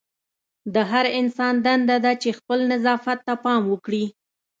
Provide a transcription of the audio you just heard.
د هر انسان دنده ده چې خپل نظافت ته پام وکړي.